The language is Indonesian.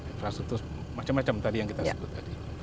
infrastruktur macam macam tadi yang kita sebut tadi